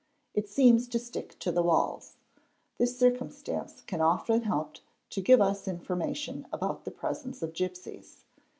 It seems to stick to the walls. This circumstance can— often help to give us information about the presence of gipsies.